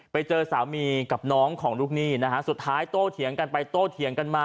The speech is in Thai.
ไปเจอสามีกับน้องของลูกหนี้นะฮะสุดท้ายโตเถียงกันไปโต้เถียงกันมา